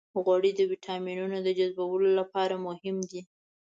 غوړې د ویټامینونو د جذبولو لپاره مهمې دي.